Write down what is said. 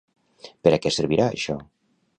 Per a què servirà això?